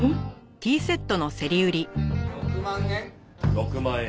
６万円。